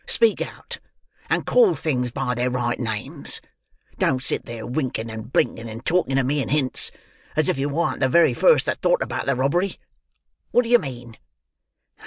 Speak out, and call things by their right names; don't sit there, winking and blinking, and talking to me in hints, as if you warn't the very first that thought about the robbery. Wot d'ye mean?"